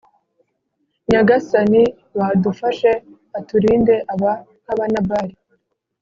Nyagasani baadufashe aturindeaba nka Nabali